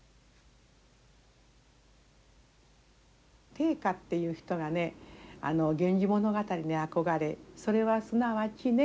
定家っていう人がね「源氏物語」に憧れそれはすなわちね